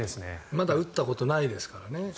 まだ打ったことないですからね。